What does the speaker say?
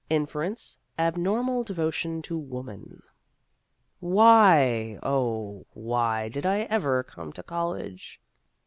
Inference : Abnormal devotion to woman. Why oh, why did I ever come to college